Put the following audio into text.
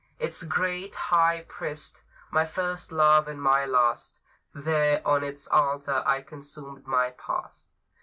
Its great High Priest, my first love and my last, There on its altar I consumed my past.